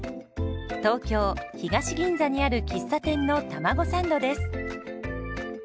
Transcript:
東京・東銀座にある喫茶店のたまごサンドです。